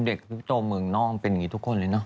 เด็กทุกตัวเมืองนอกเป็นอย่างนี้ทุกคนเลยเนอ